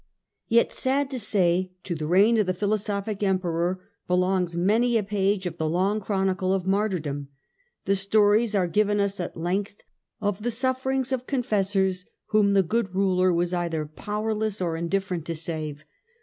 Yet, sad to say, to the reign of the philosophic Emperoi belongs many a page of the long chronicle of martyrdom and stories are given us at length of the sufferings of con fessors whom the good ruler was either powerless or CH. VI. The Empire a7id Christianity, 14 1 indifferent to save.